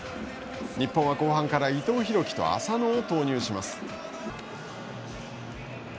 日本は後半から伊藤洋輝と浅野を投入します。